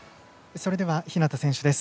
それでは日向選手です。